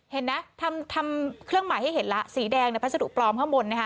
เห็นไหมทำเครื่องหมายให้เห็นแล้วสีแดงในพัสดุปลอมข้างบนนะคะ